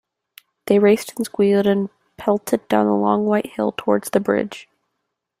They raced and squealed and pelted down the long white hill towards the bridge.